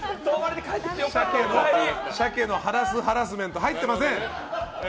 シャケのハラスハラスメント入っておりません。